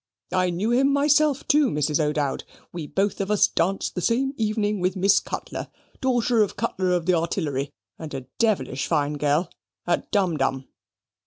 I knew him myself, too, Mrs. O'Dowd: we both of us danced the same evening with Miss Cutler, daughter of Cutler of the Artillery, and a devilish fine girl, at Dumdum."